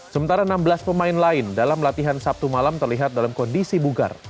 sementara enam belas pemain lain dalam latihan sabtu malam terlihat dalam kondisi bugar